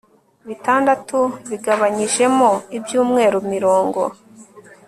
bitandatu bigabanyijemo ibyumweru mirongo